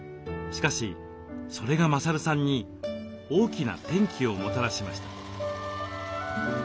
しかしそれが勝さんに大きな転機をもたらしました。